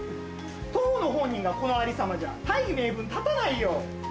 当の本人がこのありさまじゃ大義名分立たないよ！